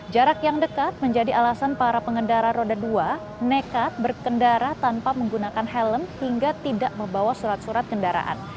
jarak yang dekat menjadi alasan para pengendara roda dua nekat berkendara tanpa menggunakan helm hingga tidak membawa surat surat kendaraan